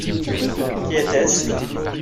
Qui était-ce ?